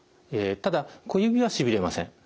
ただ小指はしびれません。